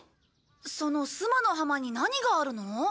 その須磨の浜に何があるの？